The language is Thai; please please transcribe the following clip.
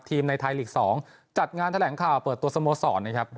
ในไทยลีก๒จัดงานแถลงข่าวเปิดตัวสโมสรนะครับ